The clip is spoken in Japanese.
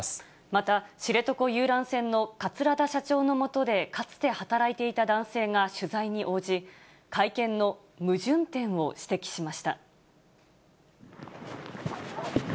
また、知床遊覧船の桂田社長のもとでかつて働いていた男性が取材に応じ、会見の矛盾点を指摘しました。